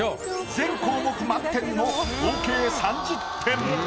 全項目満点の合計３０点。